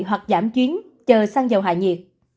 hoặc giảm chuyến chờ xăng dầu hạ nhiệt